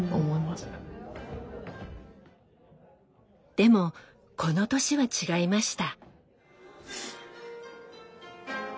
でもこの年は違いました。